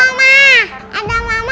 alhamdulillah gak apa apa